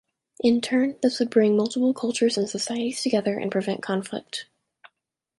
In turn, this would bring multiple cultures and societies together and prevent conflict.